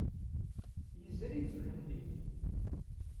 Yezri-d Mhenni.